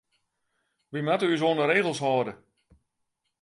Wy moatte ús oan de regels hâlde.